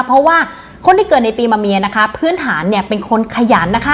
เพราะว่าคนที่เกิดในปีมะเมียนะคะพื้นฐานเนี่ยเป็นคนขยันนะคะ